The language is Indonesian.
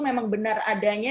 memang benar adanya